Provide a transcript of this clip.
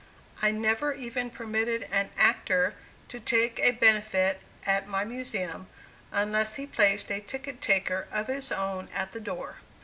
I never even permitted an actor to take a benefit at my Museum, unless he placed a ticket taker of his own at the door."